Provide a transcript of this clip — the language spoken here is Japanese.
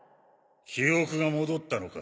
記憶が戻ったのか？